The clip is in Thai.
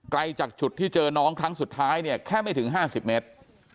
ไกลจากจุดที่เจอน้องครั้งสุดท้ายเนี่ยแค่ไม่ถึง๕๐เมตร